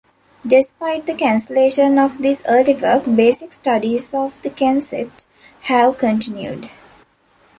Despite the cancellation of this early work, basic studies of the concept have continued.